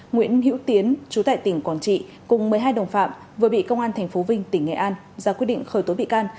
nguyễn hiễu tiến chú tại tỉnh quảng trị cùng một mươi hai đồng phạm vừa bị công an tp vinh tỉnh nghệ an ra quyết định khởi tố bị can